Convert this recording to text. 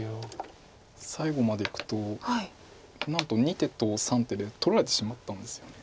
最後までいくと何と２手と３手で取られてしまったんですよね。